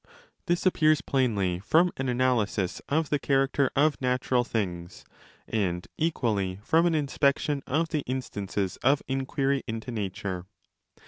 This appears plainly from an analysis of the character of natural things, and equally from an inspection of the instances of inquiry into nature.